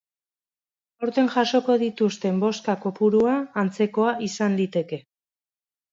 Aurten jasoko dituzten bozka kopurua antzekoa izan liteke.